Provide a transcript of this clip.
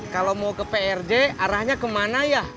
kalau mau ke prj arahnya kemana ya